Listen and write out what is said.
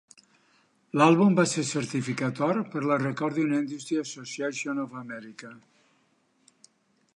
L'àlbum va ser certificat or per la Recording Industry Association of America.